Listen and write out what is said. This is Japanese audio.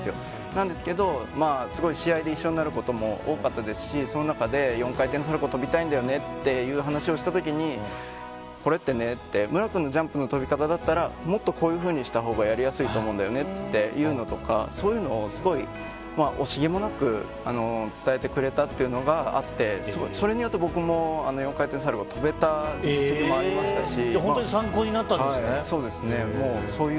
なんですけど試合で一緒になることも多かったですしその中で４回転サルコウを跳びたいんだよねという話をした時に、これってねって無良君のジャンプの跳び方だったらもっとこういうふうにしたほうがやりやすいと思うんだよねと言うのとかそういうのをすごい惜しげもなく伝えてくれたっていうのがあってそれによって僕も４回転サルコウ跳べた実績もありましたし。